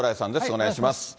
お願いします。